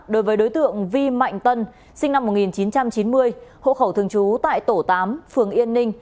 đối với đối tượng vi mạnh tân sinh năm một nghìn chín trăm chín mươi hộ khẩu thường trú tại tổ tám phường yên ninh